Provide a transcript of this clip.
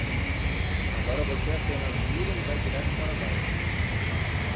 Agora você apenas vira e vai direto para baixo.